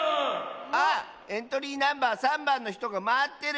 あっエントリーナンバー３ばんのひとがまってる！